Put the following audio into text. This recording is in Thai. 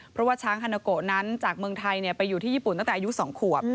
เพราะว่าช้างฮานาโกะนั้นจากเมืองไทยไปอยู่ที่ญี่ปุ่นตั้งแต่อายุ๒ขวบ